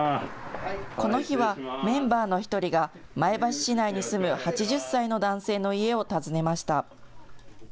この日はメンバーの１人が前橋市内に住む８０歳の男性の家を訪ねました。